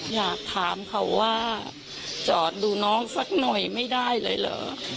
อยากถามเขาว่าจอดดูน้องสักหน่อยไม่ได้เลยเหรอ